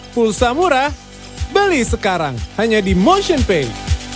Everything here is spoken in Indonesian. pulsa murah beli sekarang hanya di motionpay